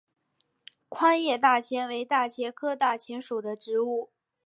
宽叶大戟为大戟科大戟属的植物。